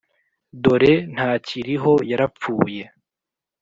dore ntakiriho yaraphuye